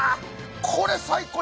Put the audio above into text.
これ最高！